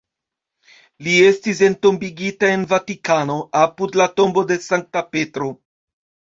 Li estis entombigita en Vatikano, apud la tombo de Sankta Petro.